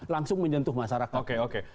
langsung menyentuh masyarakat